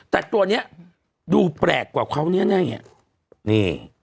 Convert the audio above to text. แต่ตัวนี้ดูแปลกกว่าเขานี้แน่